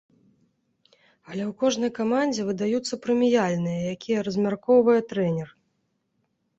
Але ў кожнай камандзе выдаюцца прэміяльныя, якія размяркоўвае трэнер.